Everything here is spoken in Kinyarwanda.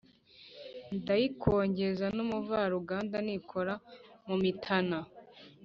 Ndayikongeza n’umuvaruganda nikora mu mitana